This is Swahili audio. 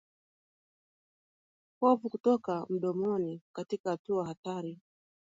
Povu kutoka mdomoni katika hatua hatari